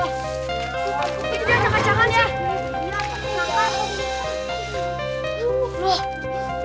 ini berantakan banget